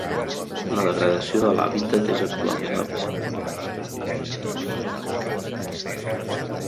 La degradació de l'hàbitat és actualment la principal causa antropogènica de l'extinció d'espècies.